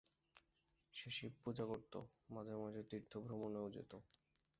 সে শিবপূজা করত, মাঝে মাঝে তীর্থভ্রমণেও যেত।